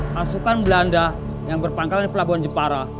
pasukan belanda yang berpangkalan di pelabuhan jepara